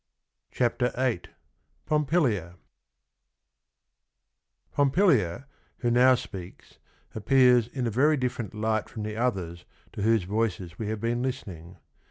CHAPTER VIII POMPILIA Pompilia, who now speaks, appears in a very different light from the others to whose voices we have been listening.